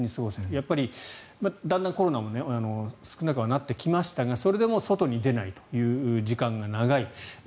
やっぱり、だんだんコロナも少なくはなってきましたがそれでも外に出ないという時間が長い。